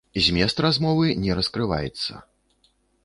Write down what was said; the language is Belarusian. Змест размовы не раскрываецца.